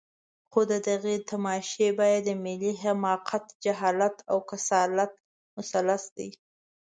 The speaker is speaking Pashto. خو د دغې تماشې بیه د ملي حماقت، جهالت او کسالت مثلث دی.